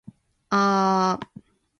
あー。